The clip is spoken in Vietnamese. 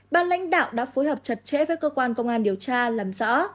ban lãnh đạo đã phối hợp chặt chẽ với cơ quan công an điều tra làm rõ